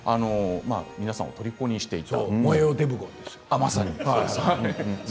皆さんを、とりこにしていた。